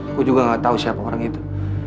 aku juga gak tahu siapa orang itu